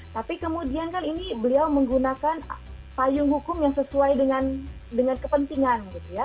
tapi kemudian kan ini beliau menggunakan payung hukum yang sesuai dengan kepentingan gitu ya